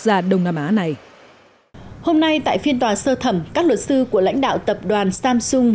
gia đông nam á này hôm nay tại phiên tòa sơ thẩm các luật sư của lãnh đạo tập đoàn samsung